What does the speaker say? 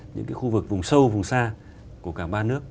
những cái khu vực vùng sâu vùng xa của cả ba nước